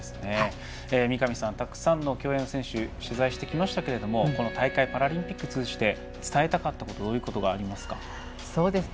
三上さん、たくさんの競泳選手を取材してきましたがこの大会、パラリンピック通じて伝えたかったことはどういうことがありますか。